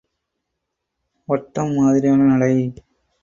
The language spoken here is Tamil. ஒட்டம் மாதிரியான நடை.